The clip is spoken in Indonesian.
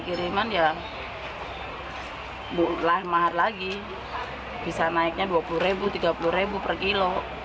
kiriman ya mahar lagi bisa naiknya rp dua puluh rp tiga puluh per kilo